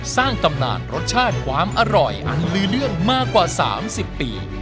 สร้างตำนานรสชาติความอร่อยอันลือเรื่องมากว่า๓๐ปี